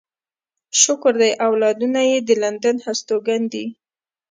شکر دی اولادونه يې د لندن هستوګن دي.